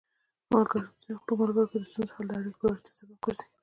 په ملګرو کې د ستونزو حل د اړیکو پیاوړتیا سبب ګرځي.